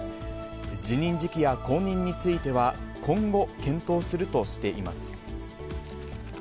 辞任時期や後任については、今後検討するとしています。